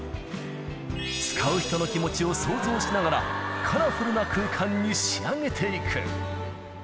使う人の気持ちを想像しながら、カラフルな空間に仕上げていく。